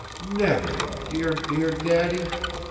"Never! dear, dear Daddy!"